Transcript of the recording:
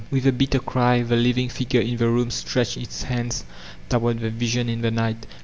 With a bitter cry the living figure in the room stretched ha hands toward the vision in the night.